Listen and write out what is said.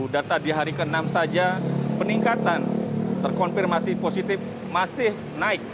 data di hari ke enam saja peningkatan terkonfirmasi positif masih naik